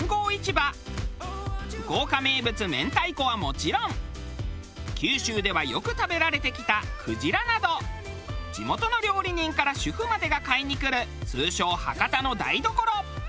福岡名物明太子はもちろん九州ではよく食べられてきた鯨など地元の料理人から主婦までが買いに来る通称博多の台所。